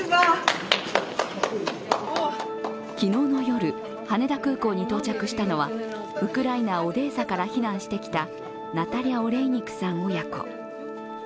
昨日の夜、羽田空港に到着したのはウクライナ・オデーサから避難してきたナタリャ・オレイニクさん親子。